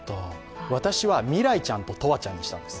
私はミライちゃんと、トワちゃんにしたんです。